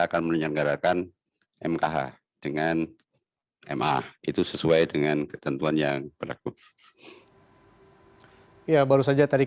akan menyelenggarakan mkh dengan ma itu sesuai dengan ketentuan yang berlaku ya baru saja tadi